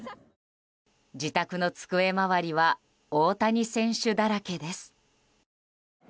自宅の机周りは大谷選手だらけです。